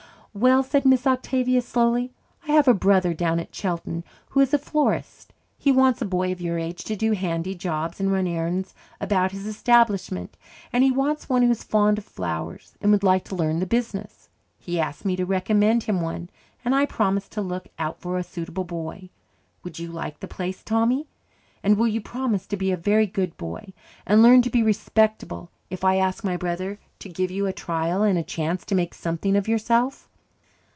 "Well," said Miss Octavia slowly, "I have a brother down at Chelton who is a florist. He wants a boy of your age to do handy jobs and run errands about his establishment, and he wants one who is fond of flowers and would like to learn the business. He asked me to recommend him one, and I promised to look out for a suitable boy. Would you like the place, Tommy? And will you promise to be a very good boy and learn to be respectable if I ask my brother to give you a trial and a chance to make something of yourself?"